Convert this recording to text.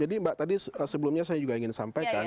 jadi mbak tadi sebelumnya saya juga ingin sampaikan